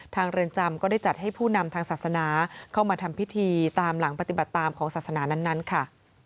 เรือนจำก็ได้จัดให้ผู้นำทางศาสนาเข้ามาทำพิธีตามหลังปฏิบัติตามของศาสนานั้นค่ะ